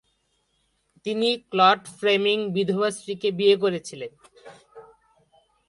তিনি ক্লড ফ্রেমির বিধবা স্ত্রীকে বিয়ে করেছিলেন।